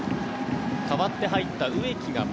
代わって入った植木が前。